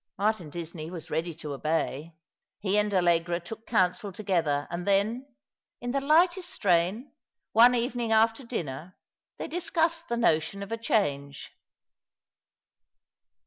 Martin Disney was ready to obey. He and Allegra took counsel together, and then — in the lightest strain, one even ing after dinner — they discussed the notion of a change.